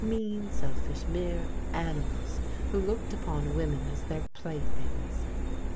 Mean, selfish, mere animals indio looked upon women as their playthings.